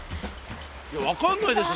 いや分かんないでしょ